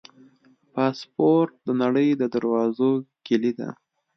پاسپورټ د نړۍ د دروازو کلي ده.